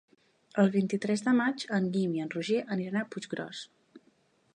El vint-i-tres de maig en Guim i en Roger aniran a Puiggròs.